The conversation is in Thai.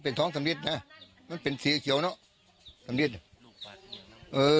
เป็นท้องสำริชนะมันเป็นสีเขียวเนอะสำริชลูกปัดเหมือนกัน